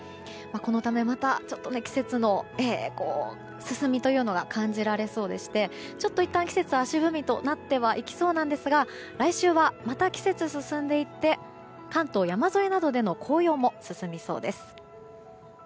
このため、また季節の進みが感じられそうでして、いったん季節が足踏みとなってはいきそうなんですが来週は、また季節が進んでいって関東山沿いなどでの紅葉も進みそうです。